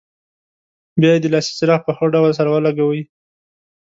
بیا یې د لاسي چراغ په هغه ډول سره ولګوئ.